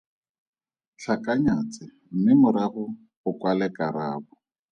Tlhakanya tse mme morago o kwale karabo.